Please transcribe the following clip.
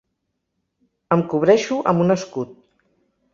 Em cobreixo amb un escut.